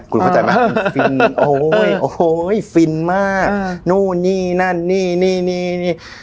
คุณเข้าใจไหมฟินโอ้ยโอ้โหฟินมากนู่นนี่นั่นนี่นี่นี่